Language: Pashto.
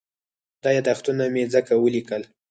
دا یادښتونه مې ځکه ولیکل.